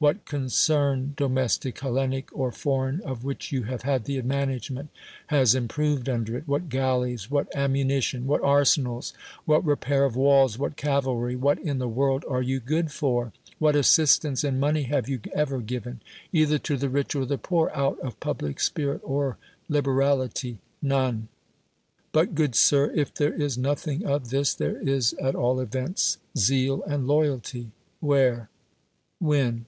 What concern domestic, Hellenic, or foreign, of which you have had the management, has improved under it? What galleys? what ammunition? what arsenals? ivhat repair of walls? what cavalry? What in tlit world are you good for? What assistance in money have you ever given, either to the rich or the poor, out of I)ublic spirit or liberality? None. But, good sir, if there is nothing of this, tli(>re is at all events zeal and loyalty. Where? when?